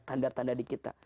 tanda tanda di kita